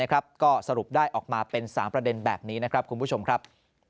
ก็สรุปได้ออกมาเป็น๓ประเด็นแบบนี้นะครับคุณผู้ชมครับ